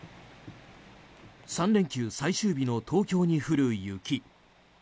３連休最終日の東京に降る雪。